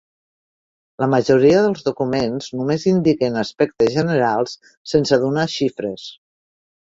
La majoria dels documents només indiquen aspectes generals sense donar xifres.